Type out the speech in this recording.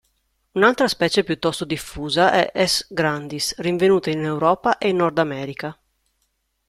Un'altra specie piuttosto diffusa è S. grandis, rinvenuta in Europa e in Nordamerica.